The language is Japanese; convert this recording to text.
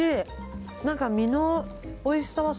おいしい。